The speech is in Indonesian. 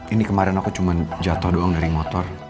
ini kemarin aku cuma jatuh doang dari motor